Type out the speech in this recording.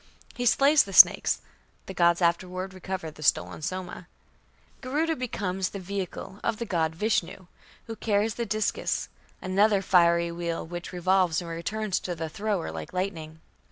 He slays the snakes.... The gods afterwards recover the stolen Soma. Garuda becomes the vehicle of the god Vishnu, who carries the discus, another fiery wheel which revolves and returns to the thrower like lightning.